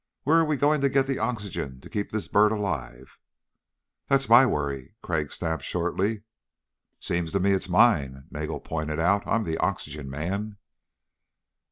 "Where are we going to get the oxygen to keep this bird alive?" "That's my worry," Crag snapped shortly. "Seems to me it's mine," Nagel pointed out. "I'm the oxygen man."